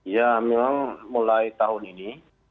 ya memang mulai tahun ini